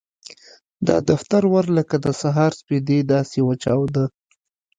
د دفتر ور لکه د سهار سپېدې داسې وچاوده.